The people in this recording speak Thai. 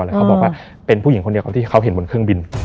แล้วเขาบอกว่าเป็นผู้หญิงคนเดียวที่เขาเห็นบนเครื่องบิน